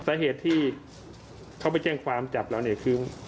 สาเหตุที่เขาไปแจ้งความจับเราเนี่ยคือ